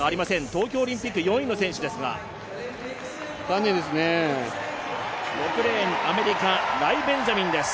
東京オリンピック４位の選手ですが６レーン、アメリカライ・ベンジャミンです。